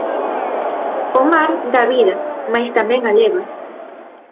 O mar dá vida, mais tamén a leva.